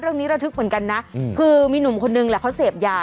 เรื่องนี้เราทึกเหมือนกันนะคือมีหนุ่มคนนึงแหละเขาเสพยา